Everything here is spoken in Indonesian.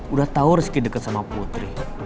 udah tau rizky deket sama putri